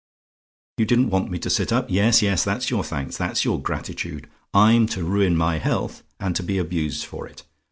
"YOU DIDN'T WANT ME TO SIT UP? "Yes, yes; that's your thanks that's your gratitude: I'm to ruin my health, and to be abused for it.